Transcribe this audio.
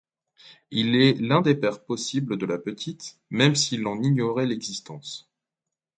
Il est l'un des pères possibles de la petite même s'il en ignorait l'existence.